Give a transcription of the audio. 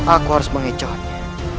aku harus mengecohnya